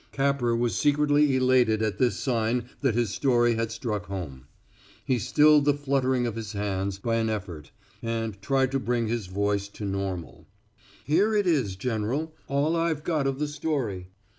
Capper was secretly elated at this sign that his story had struck home. He stilled the fluttering of his hands by an effort, and tried to bring his voice to the normal. "Here it is, General all I've got of the story.